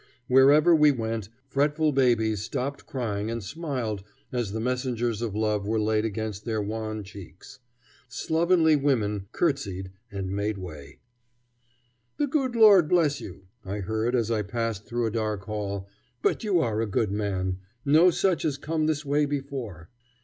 Wherever we went, fretful babies stopped crying and smiled as the messengers of love were laid against their wan cheeks. Slovenly women courtesied and made way. "The good Lord bless you," I heard as I passed through a dark hall, "but you are a good man. No such has come this way before."